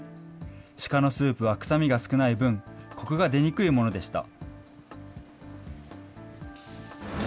鹿のスープは臭みが少ない分、こくが出にくいものでした。